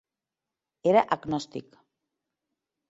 Era agnòstic.